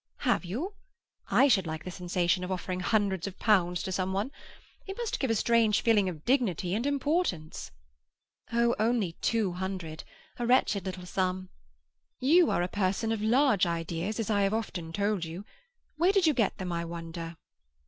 "Have you? I should like the sensation of offering hundreds of pounds to some one. It must give a strange feeling of dignity and importance." "Oh, only two hundred! A wretched little sum." "You are a person of large ideas, as I have often told you. Where did you get them, I wonder?"